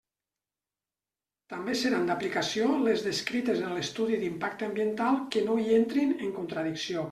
També seran d'aplicació les descrites en l'estudi d'impacte ambiental que no hi entrin en contradicció.